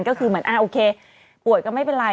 ก็คือเหมือนอ่าโอเคป่วยก็ไม่เป็นไร